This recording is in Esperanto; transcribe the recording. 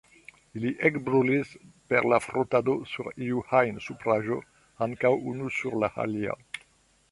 Ili ekbrulis per la frotado sur iu ajn supraĵo, ankaŭ unu sur la alia.